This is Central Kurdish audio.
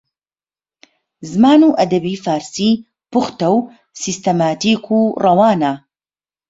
زمان و ئەدەبیاتی فارسی پوختە و سیستەماتیک و ڕەوانە